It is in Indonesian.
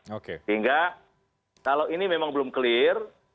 sehingga kalau ini memang belum clear